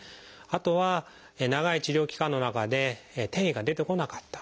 あとは長い治療期間の中で転移が出てこなかった。